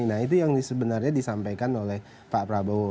nah itu yang sebenarnya disampaikan oleh pak prabowo